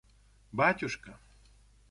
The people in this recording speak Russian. батюшка